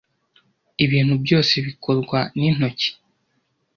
Ibintu byose bikorwa n'intoki.